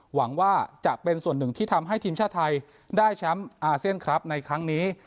หวังว่าจะเป็นส่วนหนึ่งที่ทำให้ทีมชาติไทยได้แชมป์อาเซียนครับในครั้งนี้